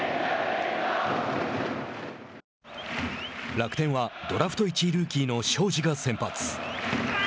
楽天はドラフト１位ルーキーの荘司が先発。